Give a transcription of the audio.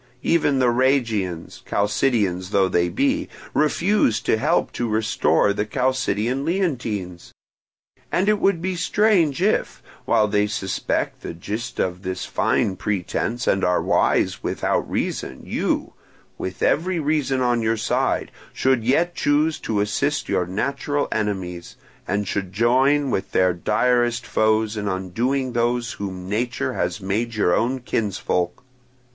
Even the Rhegians, Chalcidians though they be, refuse to help to restore the Chalcidian Leontines; and it would be strange if, while they suspect the gist of this fine pretence and are wise without reason, you, with every reason on your side, should yet choose to assist your natural enemies, and should join with their direst foes in undoing those whom nature has made your own kinsfolk.